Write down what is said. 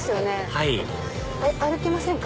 はい歩きませんか？